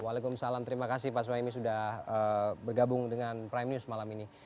waalaikumsalam terima kasih pak suhaimi sudah bergabung dengan prime news malam ini